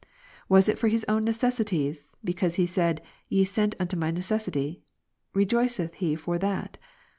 41. Was it for his own necessities, because he said, Ye sent unto my necessity ? Rejoiceth he for that